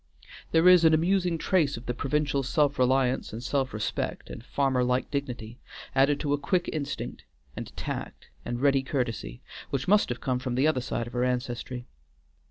There is an amusing trace of the provincial self reliance and self respect and farmer like dignity, added to a quick instinct, and tact and ready courtesy, which must have come from the other side of her ancestry.